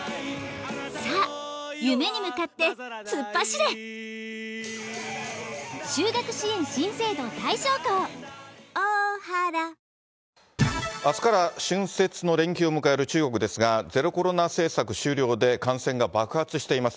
ゼロコロナ政策終了で感染拡大が続く中、あすから春節の連休を迎える中国ですが、ゼロコロナ政策終了で、感染が爆発しています。